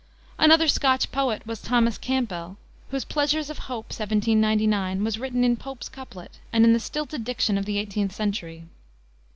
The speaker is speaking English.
Another Scotch poet was Thomas Campbell, whose Pleasures of Hope, 1799, was written in Pope's couplet, and in the stilted diction of the eighteenth century.